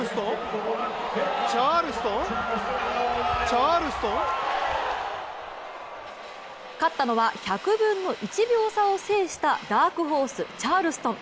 チャールストン、チャールストン勝ったのは１００分の１秒差を制したダークホースチャールストン。